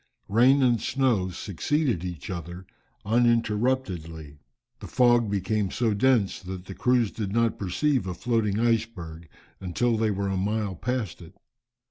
Rain and snow succeeded each other uninterruptedly. The fog soon became so dense, that the crews did not perceive a floating iceberg, until they were a mile past it.